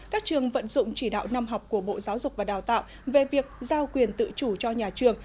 các trường vận dụng chỉ đạo năm học của bộ giáo dục và đào tạo về việc giao quyền tự chủ cho nhà trường